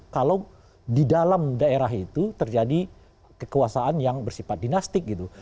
kalau di dalam daerah itu terjadi kekuasaan yang bersifat dinastik gitu